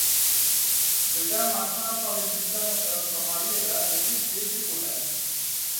Di dema çar salên Sîstema Serokkomariyê de li Tirkiyeyê çi guherî?